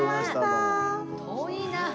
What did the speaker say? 遠いな。